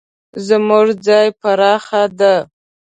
زموږ ځای پراخه ده